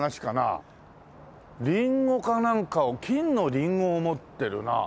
リンゴかなんかを金のリンゴを持ってるな。